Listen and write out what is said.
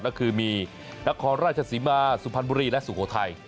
ก็คือมีนักครองราชสิมสุพันธ์บุรีและสุโฆไทย